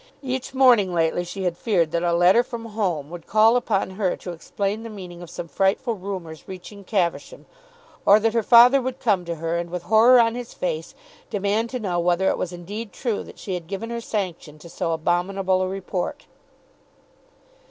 Each morning lately she had feared that a letter from home would call upon her to explain the meaning of some frightful rumours reaching Caversham, or that her father would come to her and with horror on his face demand to know whether it was indeed true that she had given her sanction to so abominable a report.